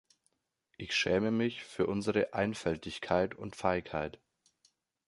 Ich schäme mich für unsere Einfältigkeit und Feigheit.